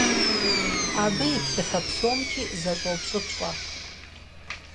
Абы и плъыфэ псомкӀи зэщӀопщӀыпщӀэ.